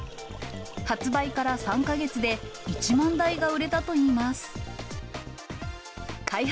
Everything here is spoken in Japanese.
発売から３か月で、１万台が売れたといいます。